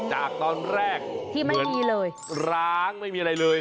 จากตอนแรกที่ไม่มีเลยร้างไม่มีอะไรเลย